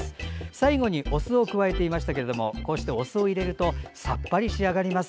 最後にお酢を加えていましたがこうして、お酢を入れるとさっぱり仕上がります。